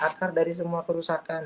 akar dari semua kerusakan